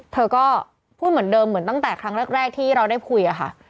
เธอก็พูดเหมือนเดิมเหมือนตั้งแต่ครั้งแรกที่เราได้คุยอะค่ะ